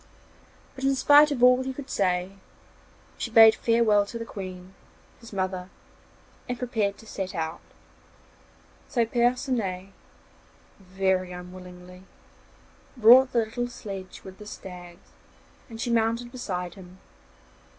But, in spite of all he could say, she bade farewell to the Queen, his mother, and prepared to set out; so Percinet, very unwillingly, brought the little sledge with the stags and she mounted beside him.